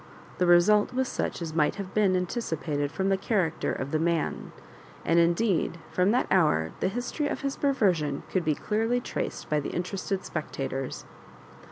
The result was such as might have been anticipated from the character of the man ; and indeed from that hour the history of his perver sion could be clearly traced by the interested spectatore.